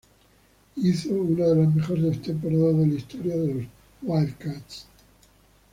Hizo una de las mejores temporadas de la historia de los "Wildcats".